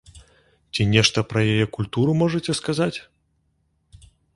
Ці нешта пра яе культуру можаце сказаць?